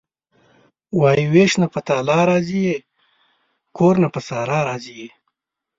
وايي چې وېش نه په تالا راضي یې کور نه په صحرا راضي یې..